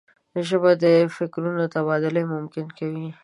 ژبه د فکرونو تبادله ممکن کوي